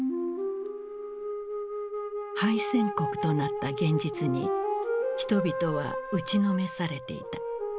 敗戦国となった現実に人々は打ちのめされていた。